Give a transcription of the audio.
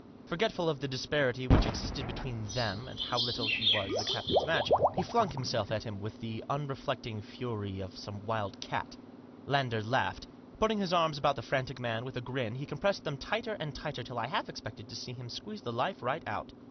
Forgetful of the disparity which existed between them and how little he was the captain's match, he flung himself at him with the unreflecting frenzy of some wild cat. Lander laughed. Putting his arms about the frantic man, with a grin he compressed them tighter and tighter till I half expected to see him squeeze the life right out.